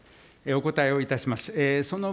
お答えをいたします。